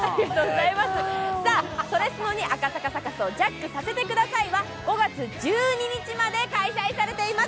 「それスノに赤坂サカスをジャックさせて下さい」は５月１２日まで開催されています。